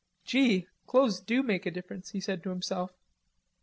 "Gee, clothes do make a difference," he said to himself.